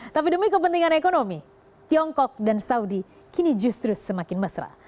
tapi demi kepentingan ekonomi tiongkok dan saudi kini justru semakin mesra